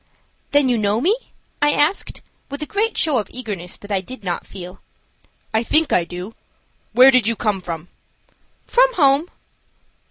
"Then you know me?" I asked, with a great show of eagerness that I did not feel. "I think I do. Where did you come from?" "From home."